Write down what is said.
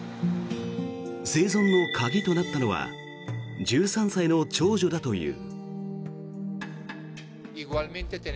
生存の鍵となったのは１３歳の長女だという。